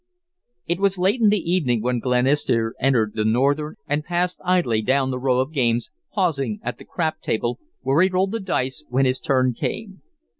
It was late in the evening when Glenister entered the Northern and passed idly down the row of games, pausing at the crap table, where he rolled the dice when his turn came.